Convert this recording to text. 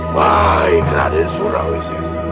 baiklah disuruh isis